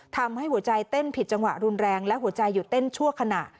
ทำให้หัวใจเต้นผิดจังหวะรุนแรงและหัวใจหยุดเต้นชั่วขณะ